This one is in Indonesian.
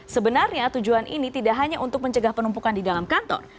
sebenarnya tujuan ini tidak hanya untuk mencegah penumpukan di dalam kantor